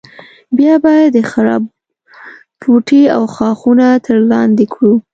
بیا به د خرپ بوټي او ښاخونه تر لاندې کړو.